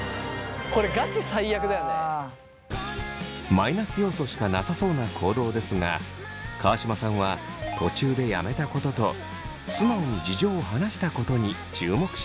マイナス要素しかなさそうな行動ですが川島さんは途中でやめたことと素直に事情を話したことに注目しました。